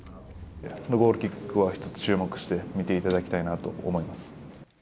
ゴールキックは一つ、注目して見ていただきたいなと思います。